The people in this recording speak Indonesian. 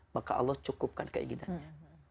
maka allah cukupkan keinginannya